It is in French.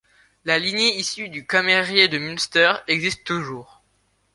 La lignée issue du camérier de Münster existe toujours.